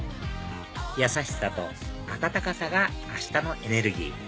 優しさと温かさがあしたのエネルギー